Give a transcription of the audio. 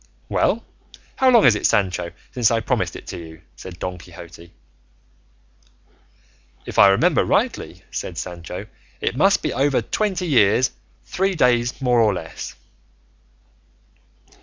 "Well, how long is it, Sancho, since I promised it to you?" said Don Quixote. "If I remember rightly," said Sancho, "it must be over twenty years, three days more or less."